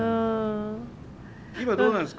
今どうなんですか？